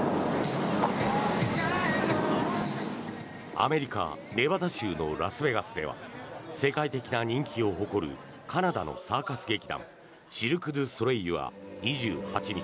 アメリカ・ネバダ州のラスベガスでは世界的な人気を誇るカナダのサーカス劇団シルク・ドゥ・ソレイユは２８日